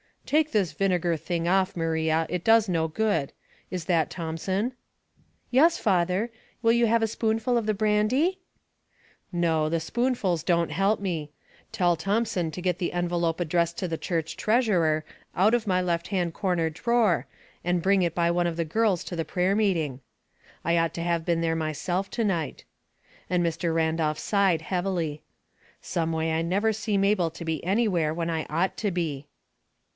"Take this vinegar thing off, Maria; it doea no good. Is that Thomson ?"" Yes, father. Will you have a spoonful of the brandy ?"" No, the spoonfuls don't help me. Tell Thom son to get the envelope addressed to the church treasurer, out of my left hand corner drawer, and Bend it by one of the girls to the prayer meeting. 64 Household Puzzles, I ought to have been there myself to night," and Mr. Randolph sighed heavily. " Someway 1 never seem able to be anywhere when I ought to be."